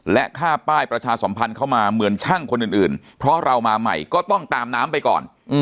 และค่าป้ายประชาสมพันธ์เข้ามาเหมือนช่างคนอื่นเพราะเรามาใหม่ก็ต้องตามน้ำไปก่อน